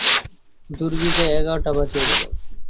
দূর গির্জায় এগারোটা বাজিয়া গেল।